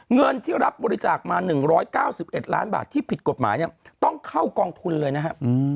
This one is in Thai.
เงินที่รับบริจาคมา๑๙๑ล้านบาทที่ผิดกฎหมายเนี่ยต้องเข้ากองทุนเลยนะครับ